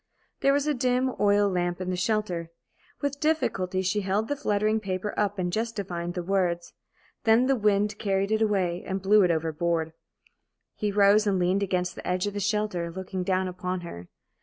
There was a dim oil lamp in the shelter. With difficulty she held the fluttering paper up and just divined the words. Then the wind carried it away and blew it overboard. He rose and leaned against the edge of the shelter, looking down upon her.